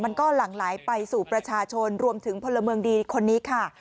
มันก็หลั่งไหลไปสู่ประชาชนรวมถึงพลเมืองดีคนนี้ค่ะ